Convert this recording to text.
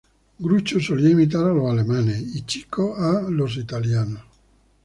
Groucho solía imitar a alemanes y Chico a italianos.